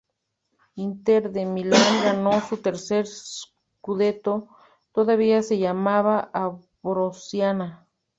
Inter de Milán ganó su tercer "scudetto", todavía se llamaba Ambrosiana.